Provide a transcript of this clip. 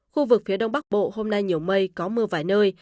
khu vực phía đông bắc bộ hôm nay nhiều mây có mưa vài nơi